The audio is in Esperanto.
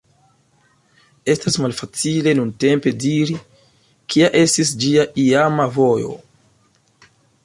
Estas malfacile nuntempe diri, kia estis ĝia iama vojo.